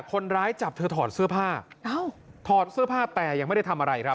คนร้ายจับเธอถอดเสื้อผ้าถอดเสื้อผ้าแต่ยังไม่ได้ทำอะไรครับ